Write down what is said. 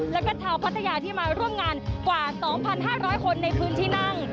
แล้วก็ชาวพัทยาที่มาร่วมงานกว่า๒๕๐๐คนในพื้นที่นั่ง